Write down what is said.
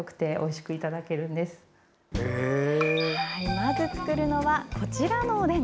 まず作るのはこちらのおでん。